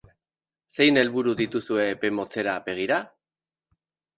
Zein helburu dituzue epe motzera begira?